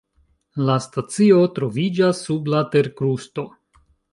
La stacio troviĝas sub la terkrusto.